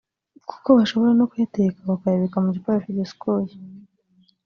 kuko bashobora no kuyateka bakayabika mugikoresho gisukuye